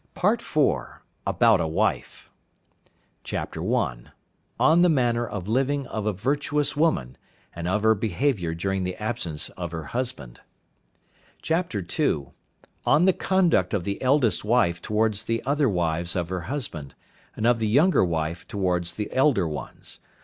PART IV. ABOUT A WIFE. Chapter I. On the manner of living of a virtuous Woman, and of her behaviour during the absence of her Husband. " II. On the conduct of the eldest Wife towards the other Wives of her husband, and of the younger Wife towards the elder ones.